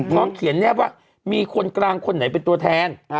พร้อมเขียนแนบว่ามีคนกลางคนไหนเป็นตัวแทน